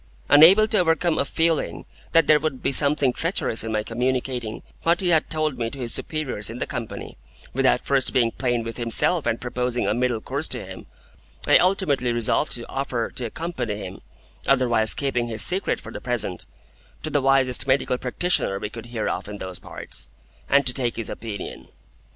Unable to overcome a feeling that there would be something treacherous in my communicating what he had told me to his superiors in the Company, without first being plain with himself and proposing a middle course to him, I ultimately resolved to offer to accompany him (otherwise keeping his secret for the present) to the wisest medical practitioner we could hear of in those parts, and to take his opinion.